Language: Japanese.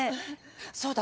そうだ！